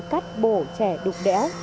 cắt bổ chẻ đục đẽo